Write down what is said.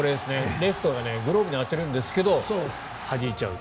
レフトがグローブに当てるんですけどはじいちゃうと。